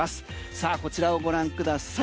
さあこちらをご覧ください。